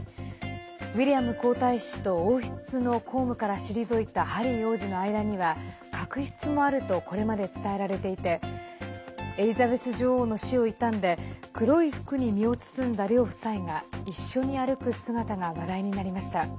ウィリアム皇太子と王室の公務から退いたハリー王子の間には確執もあるとこれまで伝えられていてエリザベス女王の死を悼んで黒い服に身を包んだ両夫妻が一緒に歩く姿が話題になりました。